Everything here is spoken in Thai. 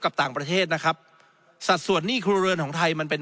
กับต่างประเทศนะครับสัดส่วนหนี้ครัวเรือนของไทยมันเป็น